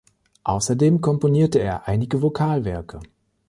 Außerdem komponierte er einige Vokalwerke.